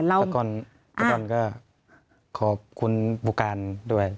ประธานก็ขอบคุณผู้การด้วย